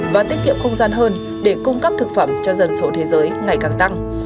và tiết kiệm không gian hơn để cung cấp thực phẩm cho dân số thế giới ngày càng tăng